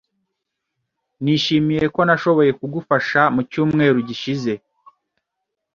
Nishimiye ko nashoboye kugufasha mu cyumweru gishize.